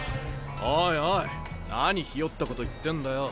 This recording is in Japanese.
おいおい何ひよったこと言ってんだよ。